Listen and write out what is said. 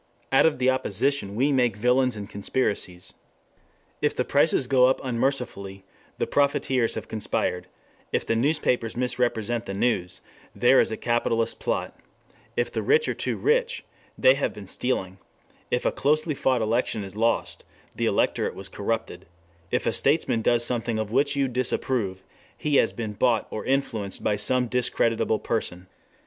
Out of the opposition we make villains and conspiracies. If prices go up unmercifully the profiteers have conspired; if the newspapers misrepresent the news, there is a capitalist plot; if the rich are too rich, they have been stealing; if a closely fought election is lost, the electorate was corrupted; if a statesman does something of which you disapprove, he has been bought or influenced by some discreditable person.